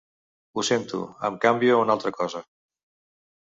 Ho sento, em canvio a una altra cosa.